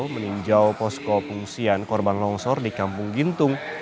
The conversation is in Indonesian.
meninjau posko pengungsian korban longsor di kampung gintung